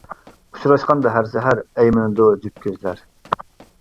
ئۇچراشقاندا ھەر سەھەر، ئەيمىنىدۇ جۈپ كۆزلەر.